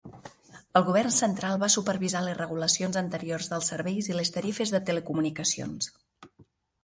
El govern central va supervisar les regulacions anteriors dels serveis i les tarifes de telecomunicacions.